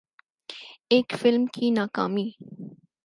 ایک فلم کی ناکامی